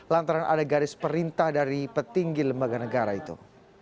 lantaran ada garis perintah dari petinggi lembaga negara itu